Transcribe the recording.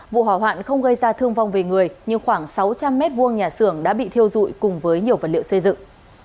vụ hỏa hoạn không gây ra thương vong về người nhưng khoảng sáu trăm linh m hai nhà xưởng đã bị thiêu dụi cùng với nhiều vật liệu xây dựng